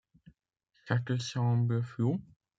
Ça te semble flou ?